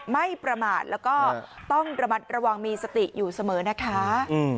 ไม่ประมาทแล้วก็ต้องระมัดระวังมีสติอยู่เสมอนะคะ